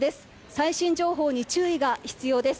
最新情報に注意が必要です。